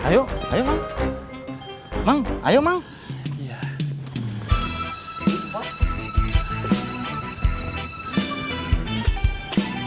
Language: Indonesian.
cukaat itu adek sekali minum beranjak